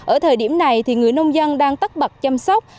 ở thời điểm này thì người nông dân đang tắt bật chăm sóc